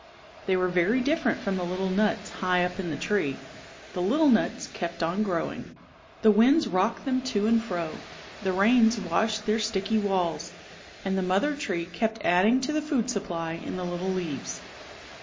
They were very different from the little nuts high up in the tree The little nuts kept on growing. The winds rocked them to and fro, the rains washed their sticky walls, and the mother tree kept adding to the food supply in the little leaves.